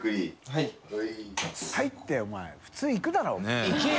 「はい」ってお前普通行くだろ！